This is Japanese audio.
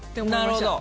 なるほど！